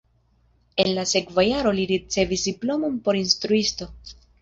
En la sekva jaro li ricevis diplomon por instruisto.